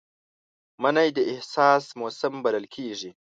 مني د احساس موسم بلل کېږي